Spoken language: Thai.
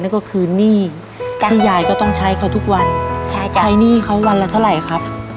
นั่นก็คือหนี้ที่ยายก็ต้องใช้เขาทุกวันใช้หนี้เขาวันละเท่าไหร่ครับ